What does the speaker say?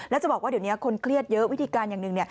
แล้วจะบอกว่าเดี๋ยวนี้คนเครียดเยอะวิธีการอย่างหนึ่ง